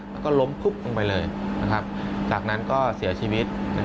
แล้วก็ล้มฟุบลงไปเลยจากนั้นก็เสียชีวิต